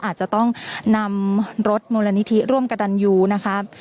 อาจจะต้องนำรถมูลนิธิร่วมกระตันยูนะคะ